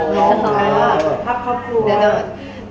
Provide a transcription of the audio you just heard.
นี่หรอภาพครอบครัว